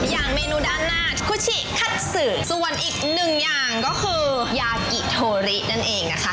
อย่างเมนูด้านหน้าคุชิขั้นเสือส่วนอีกหนึ่งอย่างก็คือยากิโทรินั่นเองนะคะ